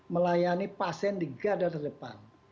melayani pasien di garda terdepan